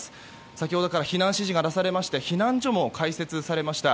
先ほどから避難指示が出されまして避難所も開設されました。